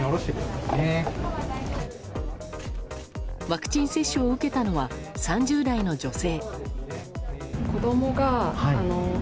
ワクチン接種を受けたのは３０代の女性。